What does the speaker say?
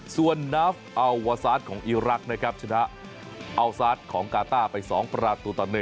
ส่วนนัฟเอาวาซาสของอิรักชนะเอาซาสของกาต้าไป๒ประตูต่อ๑